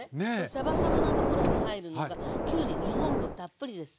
シャバシャバなところに入るのがきゅうり２本分たっぷりです。